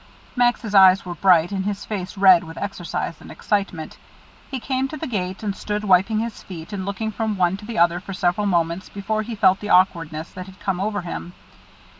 Max's eyes were bright, and his face red with exercise and excitement. He came to the gate and stood wiping his feet and looking from one to the other for several moments before he felt the awkwardness that had come over him.